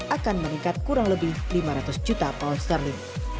akan meningkat kurang lebih lima ratus juta pound sterling